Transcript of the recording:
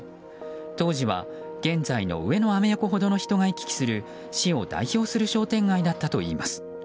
当時は現在の上野アメ横ほどの人が行き来する市を代表する商店街だったといいます。